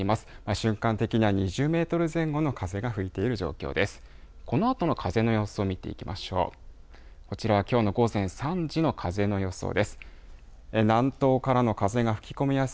瞬間的な２０メートル前後の風が吹いている状況です。